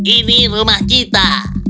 ini adalah rumah kita